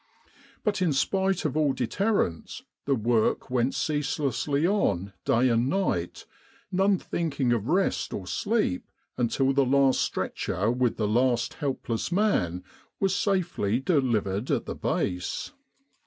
But in spite of all deterrents, the work went ceaselessly on day and night, none thinking of rest or sleep until the last stretcher with the last helpless man was safely delivered at the Base.